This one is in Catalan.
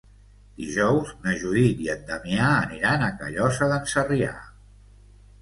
Dijous na Judit i en Damià aniran a Callosa d'en Sarrià.